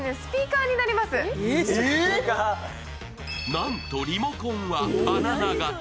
なんとリモコンはバナナ形。